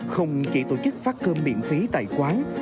không chỉ tổ chức phát cơm miễn phí tại quán